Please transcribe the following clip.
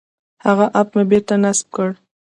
هغه اپ مې بېرته نصب کړ.